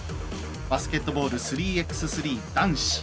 バスケットボール３ｘ３男子。